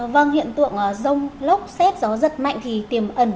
vâng hiện tượng rông lốc xét gió giật mạnh thì tiềm ẩn